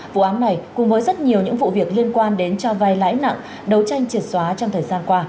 vụ án này cùng với rất nhiều những vụ việc liên quan đến cho vai lãi nặng đấu tranh triệt xóa trong thời gian qua